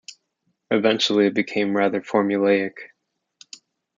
Eventually it became rather formulaic.